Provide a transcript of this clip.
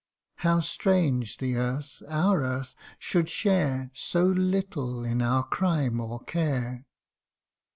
How strange the earth, our earth, should share So little in our crime or care